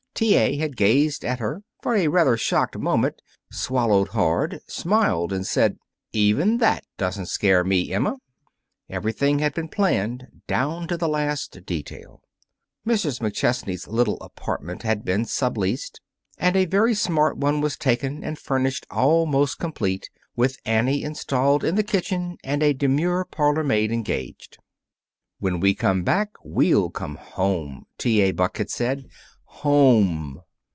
T. A. had gazed at her for a rather shocked moment, swallowed hard, smiled, and said, "Even that doesn't scare me, Emma." Everything had been planned down to the last detail. Mrs. McChesney's little apartment had been subleased, and a very smart one taken and furnished almost complete, with Annie installed in the kitchen and a demure parlor maid engaged. "When we come back, we'll come home," T. A. Buck had said. "Home!"